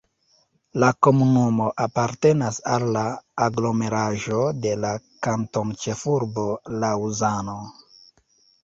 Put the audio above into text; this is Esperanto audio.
La komunumo apartenas al la aglomeraĵo de la kantonĉefurbo Laŭzano.